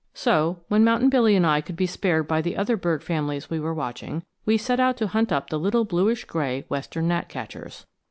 So, when Mountain Billy and I could be spared by the other bird families we were watching, we set out to hunt up the little bluish gray western gnatcatchers.